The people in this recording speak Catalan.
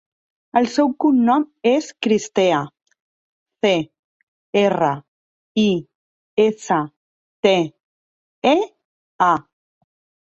El seu cognom és Cristea: ce, erra, i, essa, te, e, a.